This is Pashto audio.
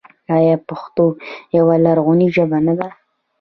آیا پښتو یوه لرغونې ژبه نه ده؟